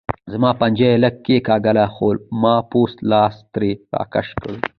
زما پنجه یې لږه کېګاږله خو ما پوست لاس ترې راکش کړو.